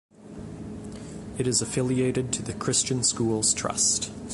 It is affiliated to the Christian Schools Trust.